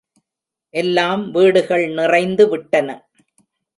எல்லாம் வீடுகள் நிறைந்து விட்டன.